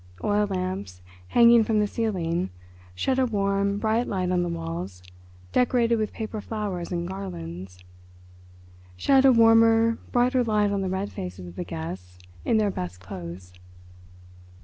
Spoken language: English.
Oil lamps, hanging from the ceiling, shed a warm, bright light on the walls decorated with paper flowers and garlands; shed a warmer, brighter light on the red faces of the guests in their best clothes.